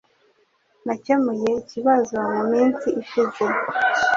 Nakemuye ikibazo muminsi ishize